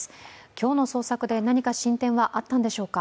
今日の捜索で何か進展はあったんでしょうか。